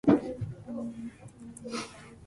見たことがない別世界の植物